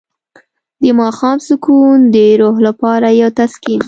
د ماښام سکون د روح لپاره یو تسکین دی.